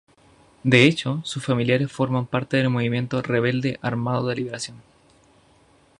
De hecho, sus familiares forman parte del movimiento rebelde Armado de Liberación.